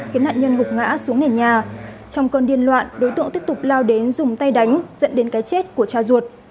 khiến nạn nhân gục ngã xuống nền nhà trong cơn điên loạn đối tượng tiếp tục lao đến dùng tay đánh dẫn đến cái chết của cha ruột